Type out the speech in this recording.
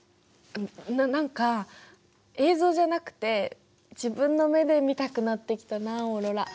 何か映像じゃなくて自分の目で見たくなってきたなあオーロラ。